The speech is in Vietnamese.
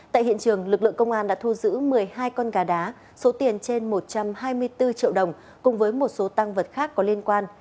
tại hiện trường lực lượng công an đã thu giữ một mươi hai con gà đá số tiền trên một trăm hai mươi bốn triệu đồng cùng với một số tăng vật khác có liên quan